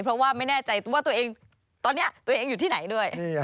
เพราะว่าไม่แน่ใจว่าตัวเองตอนนี้ตัวเองอยู่ที่ไหนด้วย